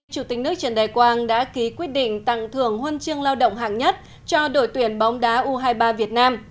chủ tịch nước trần đại quang đã ký quyết định tặng thưởng huân chương lao động hạng nhất cho đội tuyển bóng đá u hai mươi ba việt nam